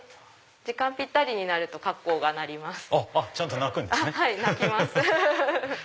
時間ぴったりになるとカッコウが鳴ります。